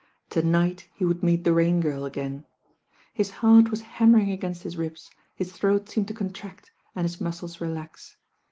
To night he would meet the Rain Girl again. Hit heart was hanmiering against his ribs, his throat seemed to contract and his muscles relax.